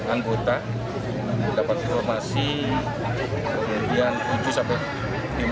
anggota dapat informasi kemudian tujuh sampai lima menit sudah sampai di rumah